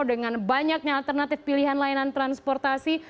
dengan banyaknya alternatif pilihan layanan transportasi